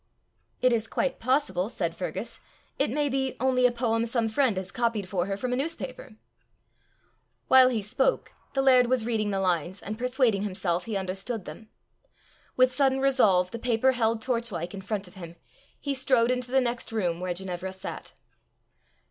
"It is quite possible," said Fergus, "it may be only a poem some friend has copied for her from a newspaper." While he spoke, the laird was reading the lines, and persuading himself he understood them. With sudden resolve, the paper held torch like in front of him, he strode into the next room, where Ginevra sat.